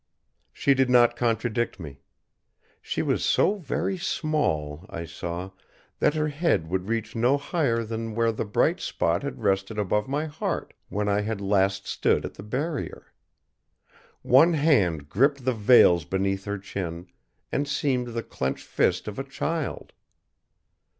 She did not contradict me. She was so very small, I saw, that her head would reach no higher than where the bright spot had rested above my heart when I had last stood at the Barrier. One hand gripped the veils beneath her chin, and seemed the clenched fist of a child.